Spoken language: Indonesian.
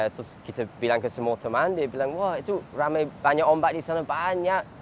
terus kita bilang ke semua teman dia bilang wah itu ramai banyak ombak di sana banyak